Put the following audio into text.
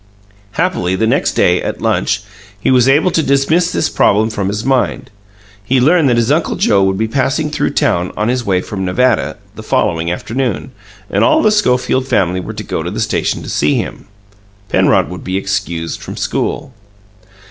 Happily, the next day, at lunch, he was able to dismiss this problem from his mind: he learned that his Uncle Joe would be passing through town, on his way from Nevada, the following afternoon, and all the Schofield family were to go to the station to see him. Penrod would be excused from school.